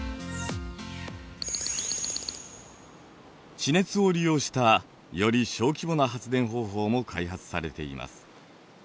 地熱を利用したより小規模な発電方法も開発されています。